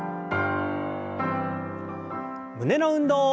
胸の運動。